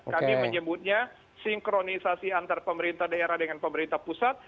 kami menyebutnya sinkronisasi antar pemerintah daerah dengan pemerintah pusat